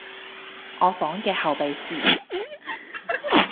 我房嘅後備匙